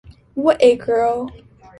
What a Girl!